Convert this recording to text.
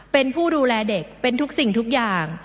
เป็นผู้ดูแลเด็กเป็นทุกสิ่งทุกอย่าง